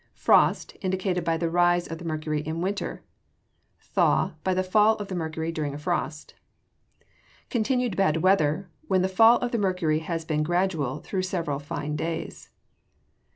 Frost, indicated by the rise of the mercury in winter. Thaw, by the fall of the mercury during a frost. Continued bad weather, when the fall of the mercury has been gradual through several fine days.